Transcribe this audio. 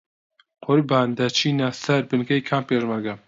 قوربان دەچینە سەر بنکەی کام پێشمەرگە؟